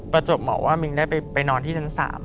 จบหมอว่ามิงได้ไปนอนที่ชั้น๓